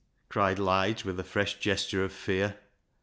cried Lige, with a fresh gesture of fear.